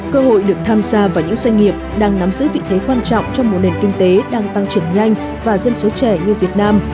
cơ hội được tham gia vào những doanh nghiệp đang nắm giữ vị thế quan trọng trong một nền kinh tế đang tăng trưởng nhanh và dân số trẻ như việt nam